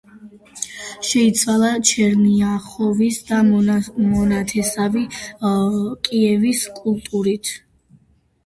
შეიცვალა ჩერნიახოვის და მონათესავე კიევის კულტურით.